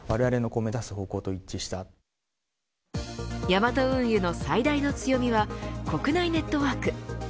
ヤマト運輸の最大の強みは国内ネットワーク。